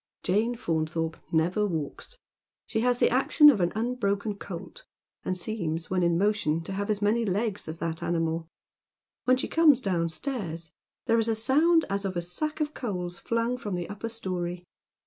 Jane Faunthorpe never walks. She has the action of an unbroken colt, and seems, when in motion, to have as many legs as that animal. When she comes downstairs there is a sound as of a sack of coals flung fi om the upper story.